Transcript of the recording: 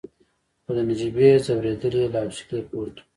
خو د نجيبې ځورېدل يې له حوصلې پورته وو.